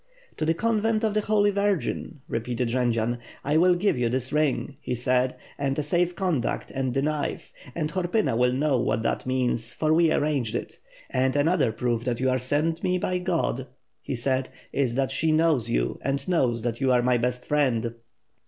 "To the convent of the Holy Virgin," repeated Jendzian. " 'I will give you this ring,' he said, 'and a safe conduct and the knife — and Horpyna will know what that means, for we arranged it. And another proof that you are sent me by God,' he said, 'is that she knows you and knows that you are my best friend.